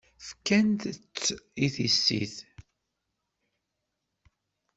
Fkant-tt i tissit.